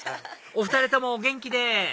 お２人ともお元気で！